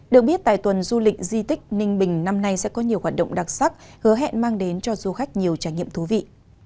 được biết tại tuần du lịch di tích ninh bình năm nay sẽ có nhiều hoạt động đặc sắc hứa hẹn mang đến cho du khách nhiều trải nghiệm thú vị